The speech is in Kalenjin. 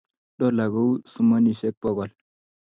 Dola kouu sumonishel bogol